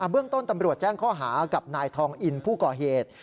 เบื้องต้นตำรวจแจ้งข้อหากับนายทองอินผู้ก่อเหตุ